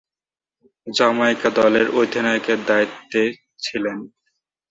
Jamaica দলের অধিনায়কের দায়িত্বে ছিলেন।